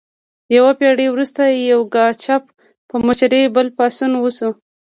یوه پیړۍ وروسته د یوګاچف په مشرۍ بل پاڅون وشو.